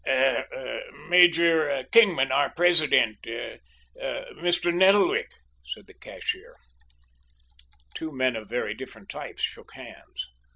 "Er Major Kingman, our president er Mr. Nettlewick," said the cashier. Two men of very different types shook hands.